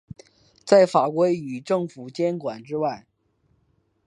在法规与政府监管之外。